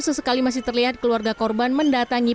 sesekali masih terlihat keluarga korban mendatangi